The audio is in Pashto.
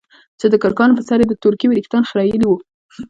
چې دکرکانو په سر يې د تورکي وريښتان خرييلي وو.